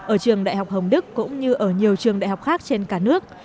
ở trường đại học hồng đức cũng như ở nhiều trường đại học khác trên cả nước